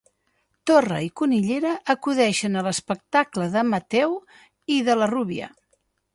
Torra i Cunillera acudeixen a l'espectacle de Mathéu i de la Rubia.